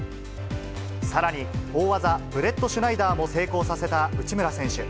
さらに、大技、ブレットシュナイダーも成功させた内村選手。